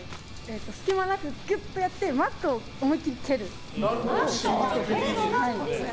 隙間なくギュッとやってマットを思い切り蹴る。